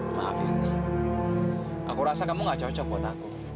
maaf gis aku rasa kamu nggak cocok buat aku